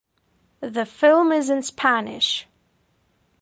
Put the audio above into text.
The film is in Spanish.